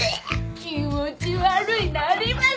気持ち悪いなります。